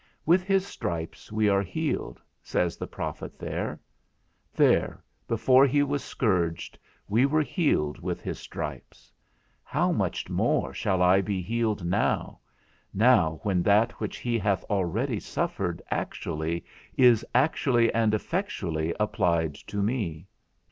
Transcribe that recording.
With his stripes we are healed, says the prophet there; there, before he was scourged, we were healed with his stripes; how much more shall I be healed now, now when that which he hath already suffered actually is actually and effectually applied to me?